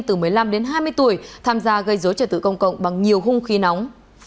từ một mươi năm đến hai mươi tuổi tham gia gây dối trật tự công cộng bằng nhiều hung khí nóng